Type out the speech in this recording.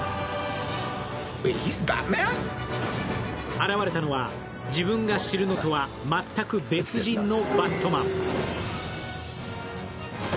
現れたのは自分が知るのとは全く別人のバットマン。